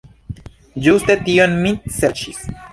Ĝuste tion mi serĉis.